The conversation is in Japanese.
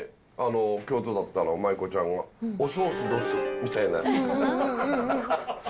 京都だったら舞妓ちゃんが、おソースどすみたいな。